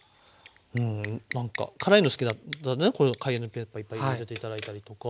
もうなんか辛いの好きだったらねこれカイエンヌペッパーいっぱい入れて頂いたりとか。